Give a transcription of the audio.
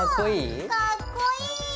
かっこいい。